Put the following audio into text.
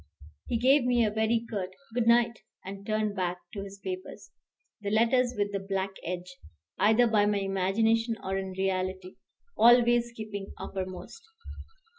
He gave me a very curt "good night," and turned back to his papers, the letters with the black edge, either by my imagination or in reality, always keeping uppermost.